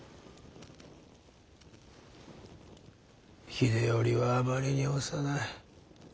秀頼はあまりに幼い。